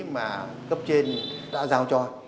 mà gấp trên đã giao cho